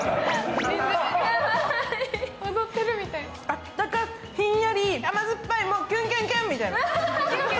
あったか、ひんやり、あますっぱい、もうキュンキュンキュンみたいな。